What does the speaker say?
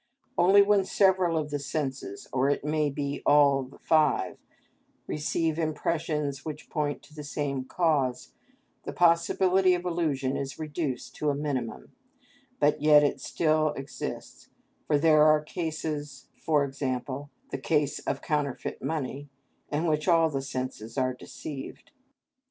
Only when several of the senses, or it may be all the five, receive impressions which point to the same cause, the possibility of illusion is reduced to a minimum; but yet it still exists, for there are cases, for example, the case of counterfeit money, in which all the senses are deceived.